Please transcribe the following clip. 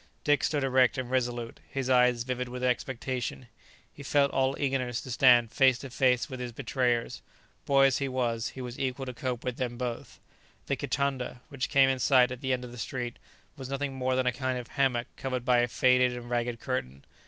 Dick stood erect and resolute, his eye vivid with expectation; he felt all eagerness to stand face to face with his betrayers; boy as he was, he was equal to cope with them both. The kitanda, which came in sight at the end of the street, was nothing more than a kind of hammock covered by a faded and ragged curtain.